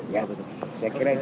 ya saya kira itu